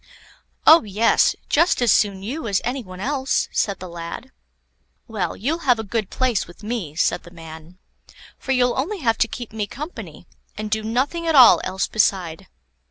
"Oh, yes; just as soon you as any one else," said the lad. "Well, you'll have a good place with me," said the man; "for you'll only have to keep me company, and do nothing at all else beside."